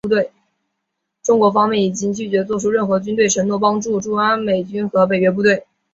中国方面已拒绝做出任何军事承诺帮助驻阿美军和北约部队。